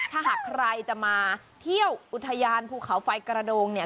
ถ้าหากใครจะมาเที่ยวอุทยานภูเขาไฟกระโดงเนี่ย